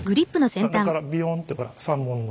中からビヨンってほら３本の。